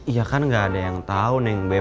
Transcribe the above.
iya kan gak ada yang tahu nengbe